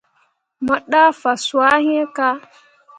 Mo ɗah fazwãhe iŋ kah.